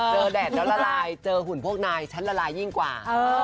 แดดแล้วละลายเจอหุ่นพวกนายฉันละลายยิ่งกว่า